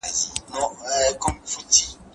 ابداليان په افغانستان کې د يوه ځواکمن بدلون سمبول دي.